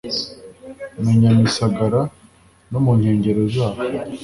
Na nyamisagara nomunkengero zaho